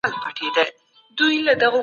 علمي ټولپوهنه د معاصر عصر محصول ده.